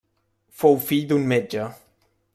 Fou fill d'un metge.